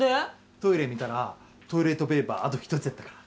トイレ見たら、トイレットペーパーあと１つやったから。